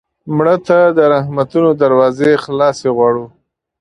مړه ته د رحمتونو دروازې خلاصې غواړو